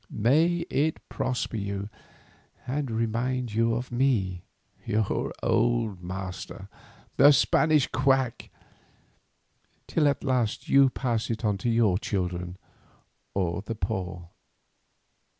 May it prosper you, and remind you of me, your old master, the Spanish quack, till at last you pass it on to your children or the poor.